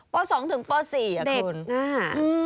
ป๒ถึงป๔คุณอ่ะคุณอ่าอืม